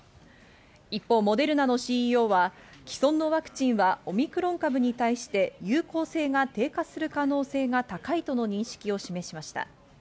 一方、モデルナのＣＥＯは既存のワクチンはオミクロン株に対して有効性が低下する可能性が高いとの認識を示しました。